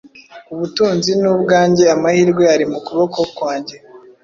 Ubutunzi ni ubwanjye, Amahirwe ari mu kuboko kwanjye